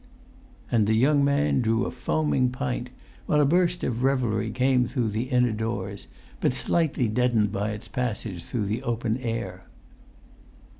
And the young man drew a foaming pint, while a burst of revelry came through the inner doors, but slightly deadened by its passage through the open air.